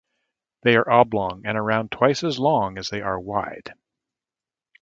They are oblong and around twice as long as they are wide.